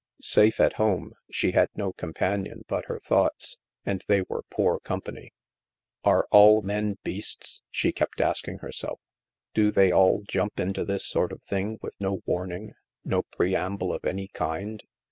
Safe at home, she had no companion but her thoughts, and they were poor company. Are all men beasts?" she kept asking herself. " Do they all jump into this sort of thing with no warning, no preamble of any kind?